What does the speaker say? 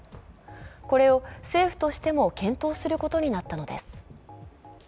これを政府としても検討することになったのです。